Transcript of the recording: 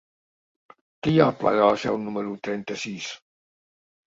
Què hi ha al pla de la Seu número trenta-sis?